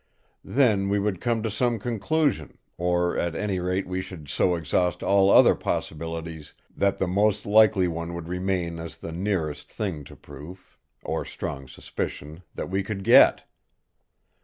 Then we would come to some conclusion; or at any rate we should so exhaust all other possibilities that the most likely one would remain as the nearest thing to proof, or strong suspicion, that we could get.